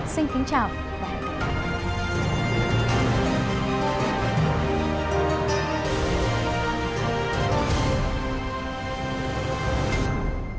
xin kính chào và hẹn gặp lại